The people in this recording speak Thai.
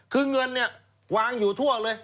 คือเงินเนี่ยวางอยู่ทั่วเลย